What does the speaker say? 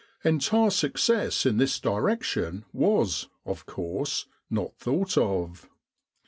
Entire success in this direction was, of course, not thought of.